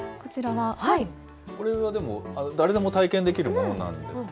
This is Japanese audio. これはでも、誰でも体験できるものなんですか？